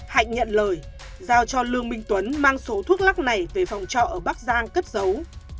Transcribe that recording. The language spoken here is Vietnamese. hạnh nhận lời giao cho lương minh tuấn mang số thuốc lắc này về phòng trọ ở bắc giang cất giấu